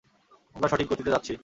আমরা সঠিক গতিতে যাচ্ছি।